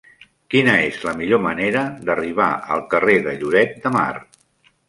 Quina és la millor manera d'arribar al carrer de Lloret de Mar?